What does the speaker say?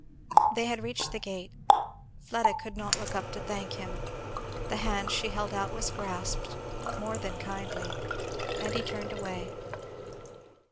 They had reached the gate. Fleda could not look up to thank him; the hand she held out was grasped, more than kindly, and he turned away.